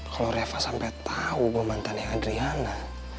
kalau reva sampai tau gue mantan yang adriana